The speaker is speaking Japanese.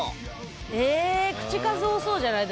え口数多そうじゃない？